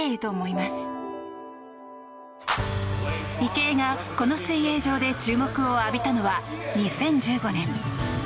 池江が、この水泳場で注目を浴びたのは２０１５年。